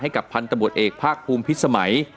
ให้กับพันธบทเอกภาครุมพิสมัย